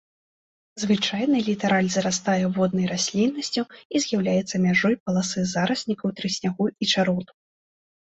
Звычайна літараль зарастае воднай расліннасцю і з'яўляецца мяжой паласы зараснікаў трыснягу і чароту.